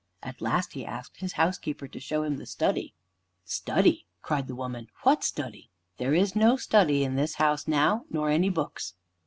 At last he asked his housekeeper to show him the study. "Study!" cried the woman, "what study? There is no study in this house now, nor any books."